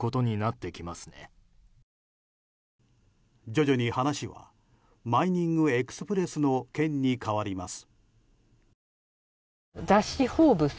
徐々に話はマイニングエクスプレスの件に変わります。